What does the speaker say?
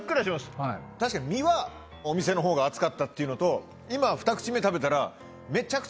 確かに身はお店のほうが厚かったっていうのと今２口目食べたら。